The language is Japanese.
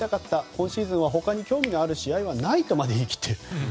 今シーズンは、他に興味がある試合はないとまで言い切っている。